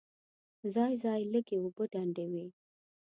ځای ځای لږې اوبه ډنډ وې.